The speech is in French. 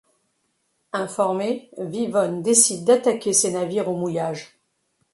Informé, Vivonne décide d’attaquer ces navires au mouillage.